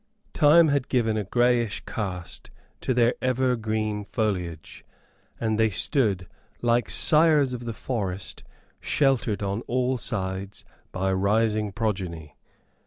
Time had given a greyish cast to their ever green foliage; and they stood, like sires of the forest, sheltered on all sides by a rising progeny.